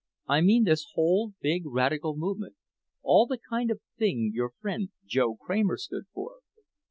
I mean this whole big radical movement all the kind of thing your friend Joe Kramer stood for."